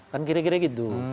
kan kira kira gitu